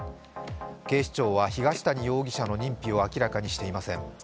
警視庁は東谷容疑者の認否を明らかにしていません。